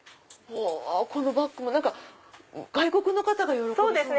このバッグ外国の方が喜びそう。